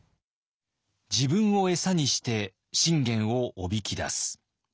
自分を餌にして信玄をおびき出す。